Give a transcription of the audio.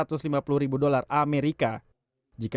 jika dihitung dengan sebagian dari lima ratus ribu dolar amerika